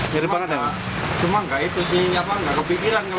kalau keingetan aja kalau dia udah viral gitu